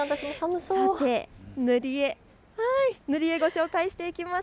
塗り絵、ご紹介していきます。